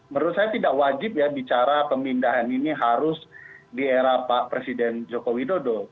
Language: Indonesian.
menurut saya tidak wajib ya bicara pemindahan ini harus di era pak presiden joko widodo